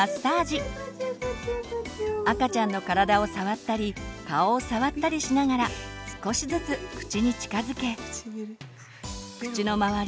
赤ちゃんの体を触ったり顔を触ったりしながら少しずつ口に近づけ口の周り